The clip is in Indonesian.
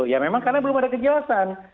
ya memang karena belum ada kejelasan